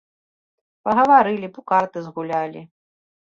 Пагаварылі б, у карты згулялі.